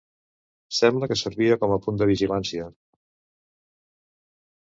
Sembla que servia com a punt de vigilància.